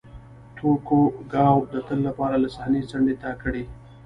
توکوګاوا د تل لپاره له صحنې څنډې ته کړي.